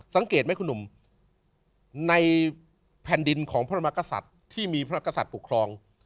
สังเกตไหมคุณหนุ่มในแผ่นดินของพระมากษัตริย์ที่มีพระกษัตริย์ปกครอง